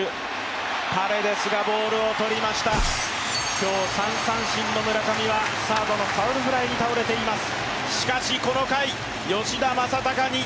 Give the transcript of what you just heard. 今日３三振の村上はサードのファウルフライに倒れています。